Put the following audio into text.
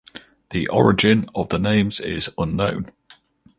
The origin of the names is unknown.